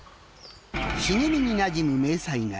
茂みになじむ迷彩柄。